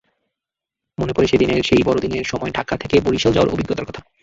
মনে পড়ে সেদিনের সেই বড়দিনের সময় ঢাকা থেকে বরিশাল যাওয়ার অভিজ্ঞতার কথা।